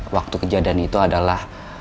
waktu kejadian itu adalah